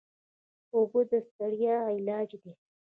اوبه د ستړیا علاج دي.